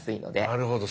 なるほど。